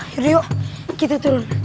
yaudah yuk kita turun